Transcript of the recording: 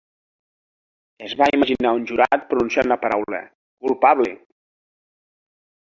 Es va imaginar un jurat pronunciant la paraula "culpable".